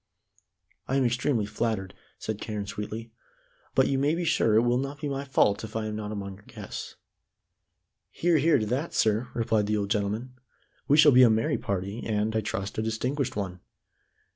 "I am extremely flattered," said Carne sweetly, "and you may be sure it will not be my fault if I am not among your guests." "Hear, hear, to that, sir," replied the old gentleman. "We shall be a merry party, and, I trust, a distinguished one.